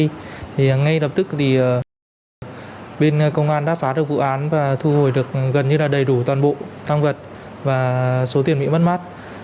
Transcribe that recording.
thì ngay lập tức thì bên công an đã phá được vụ án và thu hồi được gần như là đầy đủ toàn bộ thăng vật và số tiền bị mất mát